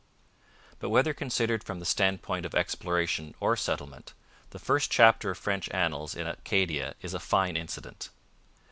But whether considered from the standpoint of exploration or settlement, the first chapter of French annals in Acadia is a fine incident.